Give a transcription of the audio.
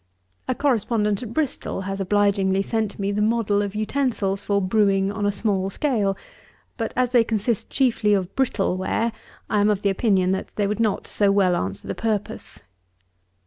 A Correspondent at Bristol has obligingly sent me the model of utensils for brewing on a small scale; but as they consist chiefly of brittle ware, I am of opinion that they would not so well answer the purpose.